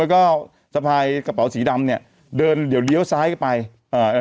ถือถุงแล้วก็สะพายกระเป๋าสีดำเนี้ยเดินเดี๋ยวเลี้ยวซ้ายไปเอ่อ